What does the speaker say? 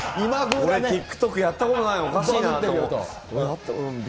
俺、ＴｉｋＴｏｋやったことない、おかしいなと思って。